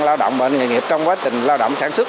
lao động bệnh nghề nghiệp trong quá trình lao động sản xuất